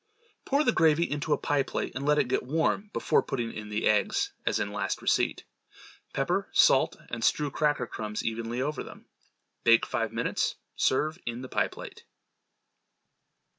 Pour the gravy into a pie plate and let it get warm before putting in the eggs as in last receipt. Pepper, salt and strew cracker crumbs evenly over them. Bake five minutes. Serve in the pie plate.